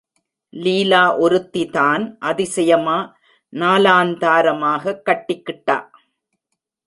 லீலா ஒருத்தி தான் அதிசயமா நாலாந்தாரமாகக் கட்டிக்கிட்டா?